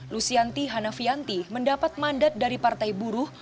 lusianti hanafianti mendapat mandat dari partai buruh